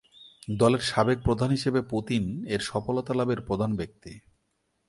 দলের সাবেক প্রধান হিসেবে পুতিন এর সফলতা লাভের প্রধান ব্যক্তি।